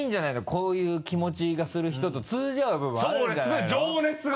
こういう気持ちがする人と通じ合う部分あるんじゃないの？